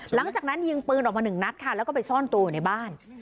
หลังจากนั้นยิงปืนออกมาหนึ่งนัดค่ะแล้วก็ไปซ่อนตัวอยู่ในบ้าน